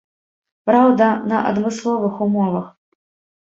Праўда, на адмысловых умовах.